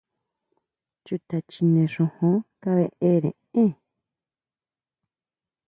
¿Chuta chjine xujun kabeʼre én?